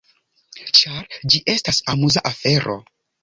Ĉar ĝi estas amuza afero.